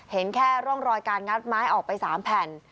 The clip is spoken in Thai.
เห็นแค่ร่องรอยการงัดไม้ออกไป๓แผ่น